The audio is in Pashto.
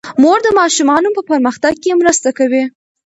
مور د ماشومانو په پرمختګ کې مرسته کوي.